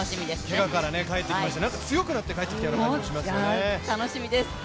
けがから帰ってきました、強くなって帰って来た感じがします。